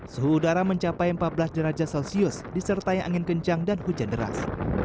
suhu udara mencapai empat belas derajat celcius disertai angin kencang dan hujan deras